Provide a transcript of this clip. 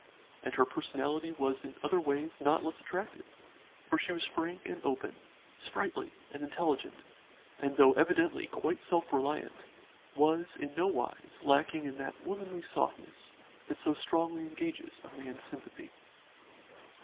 And her personality was in other ways not less attractive, for she was frank and open, sprightly and intelligent, and though evidently quite self reliant, was in nowise lacking in that womanly softness that so strongly engages a man's sympathy.